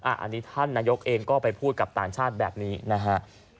อันนี้ท่านนายกเองก็ไปพูดกับต่างชาติแบบนี้นะฮะ